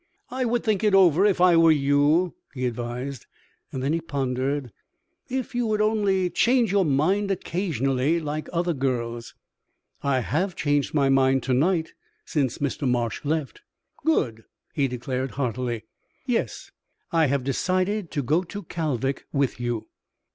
"I would think it over if I were you," he advised. Then he pondered. "If you would only change your mind, occasionally, like other girls " "I have changed my mind to night since Mr. Marsh left." "Good!" he declared, heartily. "Yes. I have decided to go to Kalvik with you."